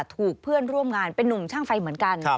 ถูกเพื่อนร่วมงานเป็นนุ่มช่างไฟเหมือนกัน